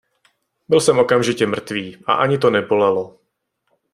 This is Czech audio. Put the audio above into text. Byl jsem okamžitě mrtvý a ani to nebolelo.